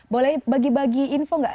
boleh bagi bagi info nggak